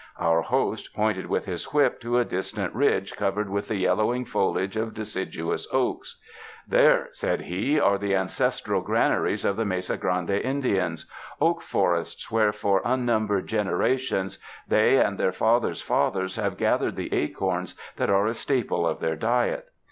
Our host pointed with his whip to a distant ridge covered with the yellowing foliage of deciduous oaks. "There," said he, "are the ancestral granaries of the Mesa Grande Indians, oak forests where for unnumbered generations they and their fathers' fathers have gathered the acorns that are a staple of their diet.